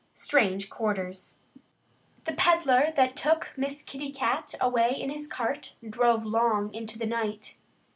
XIX STRANGE QUARTERS THE PEDDLER that took Miss Kitty Cat away in his cart drove long into the night.